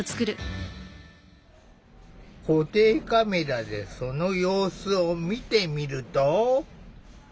固定カメラでその様子を見てみると。